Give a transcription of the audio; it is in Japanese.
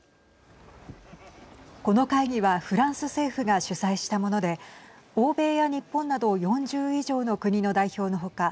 この会議はフランス政府が主催したもので欧米や日本など４０以上の国の代表の他